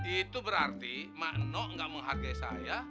itu berarti mak enok nggak menghargai saya